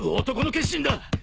男の決心だ！